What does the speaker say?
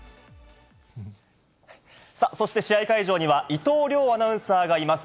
そして試合会場には、伊藤遼アナウンサーがいます。